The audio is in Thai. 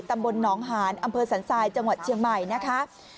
ตำบลหนองหานอำเภอสันทรายจังหวัดเชียงใหม่นะคะ